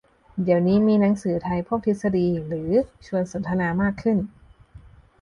เดี๋ยวนี้มีหนังสือไทยพวกทฤษฎีหรือชวนสนทนามากขึ้น